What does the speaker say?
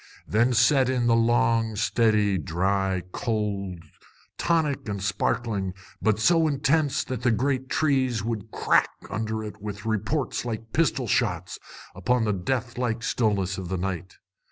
Then set in the long, steady, dry cold, tonic and sparkling, but so intense that the great trees would crack under it with reports like pistol shots upon the death like stillness of the night.